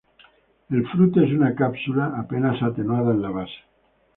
El fruto es una cápsula apenas atenuada en la base.